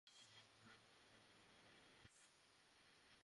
আর এটা কুরআনের বর্ণনার পরিপন্থী।